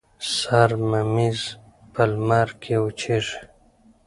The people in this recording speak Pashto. سر ممیز په لمر کې وچیږي.